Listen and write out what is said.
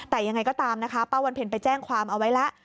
แต่ยังไงก็ตามนะคะป้าวันเพ็ญไปแจ้งความเอาไว้แล้ว